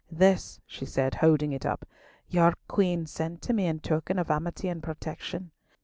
"This," she said, holding it up, "your Queen sent to me in token of amity and protection.